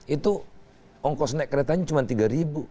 itu ongkos naik keretanya cuma tiga ribu